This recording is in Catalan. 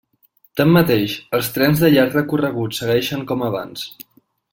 Tanmateix, els trens de llarg recorregut segueixen com abans.